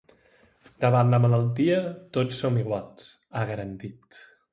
Davant la malaltia tots som iguals, ha garantit.